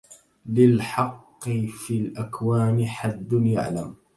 للحق في الأكوان حد يعلم